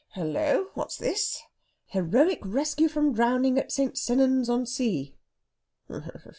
Hullo! what's this? 'Heroic rescue from drowning at St. Sennans on Sea.'